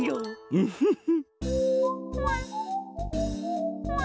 ウフフ。